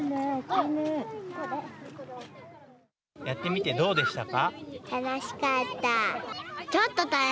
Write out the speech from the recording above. やってみてどうでしたか。